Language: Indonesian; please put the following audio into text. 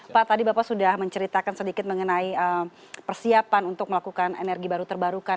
pak tadi bapak sudah menceritakan sedikit mengenai persiapan untuk melakukan energi baru terbarukan